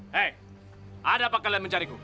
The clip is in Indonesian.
hei ada apa kalian mencariku